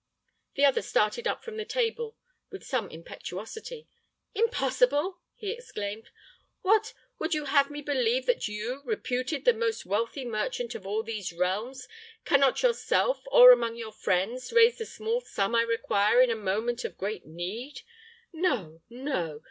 The other started up from the table with some impetuosity. "Impossible?" he exclaimed. "What, would you have me believe that you, reputed the most wealthy merchant of all these realms, can not yourself, or among your friends, raise the small sum I require in a moment of great need? No, no.